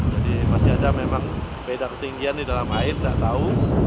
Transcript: jadi masih ada memang beda ketinggian di dalam air tidak tahu